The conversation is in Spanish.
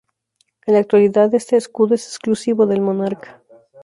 En la actualidad este escudo es exclusivo del monarca.